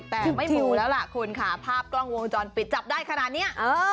แต่ไม่มีแล้วล่ะคุณค่ะภาพกล้องวงจรปิดจับได้ขนาดนี้